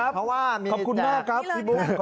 เพราะว่าขอบคุณมากครับพี่บุ๊ค